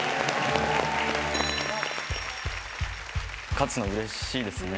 勝つのうれしいですね。